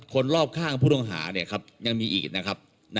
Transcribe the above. คนรอบข้างผู้ต้องหายังมีอีกนะครับ